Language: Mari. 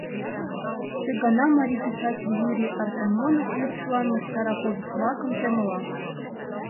Ты гана марий писатель Юрий Артамонов лудшылан мыскара повесть-влакым темла.